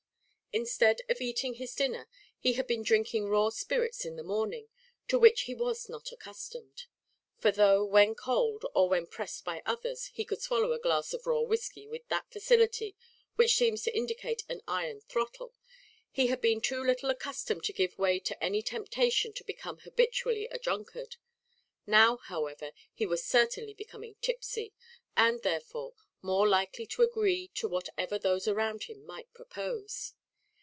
Instead of eating his dinner, he had been drinking raw spirits in the morning, to which he was not accustomed; for though when cold, or when pressed by others, he could swallow a glass of raw whiskey with that facility which seems to indicate an iron throttle, he had been too little accustomed to give way to any temptation to become habitually a drunkard. Now, however, he was certainly becoming tipsy, and, therefore, more likely to agree to whatever those around him might propose.